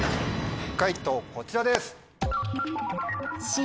解答こちらです。